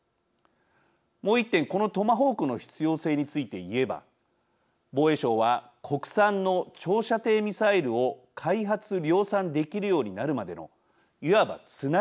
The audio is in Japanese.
もう一点このトマホークの必要性について言えば防衛省は国産の長射程ミサイルを開発量産できるようになるまでのいわばつなぎだとしています。